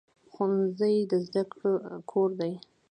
ښوونځی د زده کړې کور دی